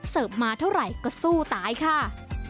เสิร์ฟมาเท่าไหร่ก็สู้ตายค่ะ